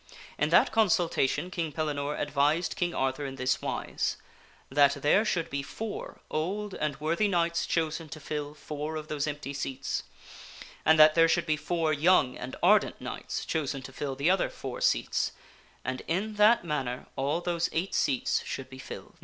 In that consultation King Pellinore advised King Arthur in this wise: That there should be four old and worthy knights chosen to fill four of those empty seats, and that there should be four young and ardent knights chosen to fill the other four seats, and in that manner all those eight seats should be filled.